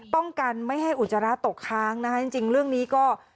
ป้องกันไม่ให้อุจจาระตกค้างนะคะจริงเรื่องนี้ก็